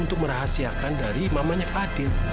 untuk merahasiakan dari mamanya fadil